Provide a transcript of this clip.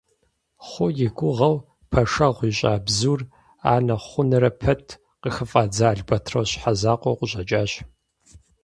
Хъу и гугъэу пэшэгъу ищӀа бзур, анэ хъунрэ пэт, къыхыфӀадза албэтрос щхьэзакъуэу къыщӀэкӀащ.